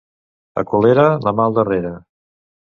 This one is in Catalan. A Colera, la mà al darrere.